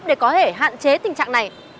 giải pháp để có thể hạn chế tình trạng này